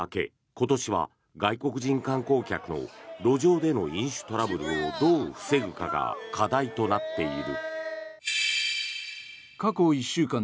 今年は外国人観光客の路上での飲酒トラブルをどう防ぐかが課題となっている。